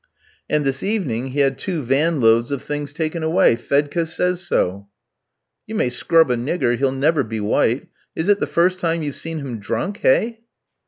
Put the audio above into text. "And this evening he had two van loads of things taken away; Fedka says so." "You may scrub a nigger, he'll never be white. Is it the first time you've seen him drunk, hey?"